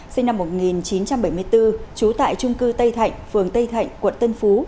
sinh năm một nghìn chín trăm bảy mươi bốn trú tại trung cư tây thạnh phường tây thạnh quận tân phú